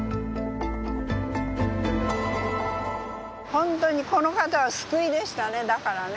本当にこの方は救いでしたね。